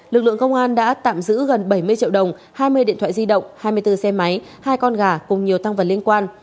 lực lượng công an đã tạm giữ gần bảy mươi triệu đồng hai mươi điện thoại di động hai mươi bốn xe máy hai con gà cùng nhiều tăng vật liên quan